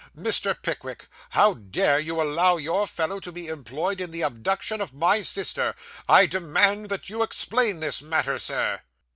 Mr. Pickwick, how dare you allow your fellow to be employed in the abduction of my sister? I demand that you explain this matter, sir.